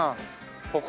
ここ。